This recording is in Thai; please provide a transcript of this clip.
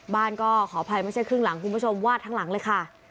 บ้านก็ขออภัยไม่ใช่ครึ่งหลังคุณผู้ชมวาดทั้งหลังเลยค่ะ